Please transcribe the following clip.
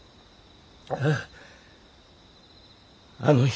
ああ。